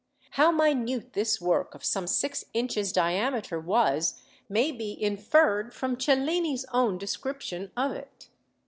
How minute this work of some six inches diameter was may be inferred from Cellini's own description of it.